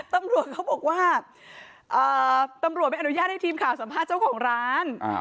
ตำรวจเขาบอกว่าตำรวจไม่อนุญาตให้ทีมข่าวสัมภาษณ์เจ้าของร้าน